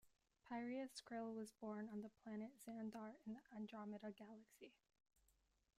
Pyreus Kril was born on the planet Xandar, in the Andromeda Galaxy.